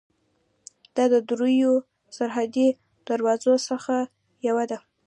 دا د درېیو سرحدي دروازو څخه یوه ده.